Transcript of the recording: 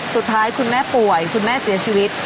สุดท้ายคุณแม่ป่วยคุณแม่เสียชีวิต